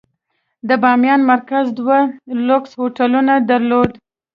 د بامیان مرکز دوه لوکس هوټلونه درلودل.